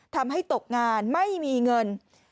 ทำให้ตกงานไม่มีเงิน